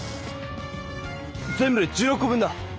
全部で１６こ分だ！